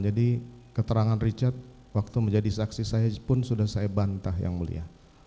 jadi keterangan richard waktu menjadi saksi saya pun sudah saya bantah yang mulia